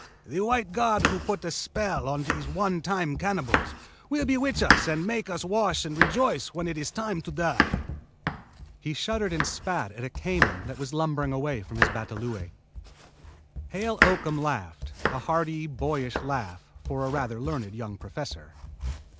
"The white god who put a spell on these one time cannibals will bewitch us and make us wash and rejoice when it is time to die." He shuddered and spat at a cayman that was lumbering away from his batalõe. Hale Oakham laughed, a hearty boyish laugh for a rather learned young professor.